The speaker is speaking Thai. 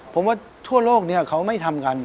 ผมว่าทั่วโลกเนี่ยเขาไม่ทำกัน